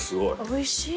おいしい。